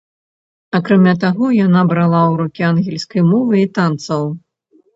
Акрамя таго, яна брала ўрокі ангельскай мовы і танцаў.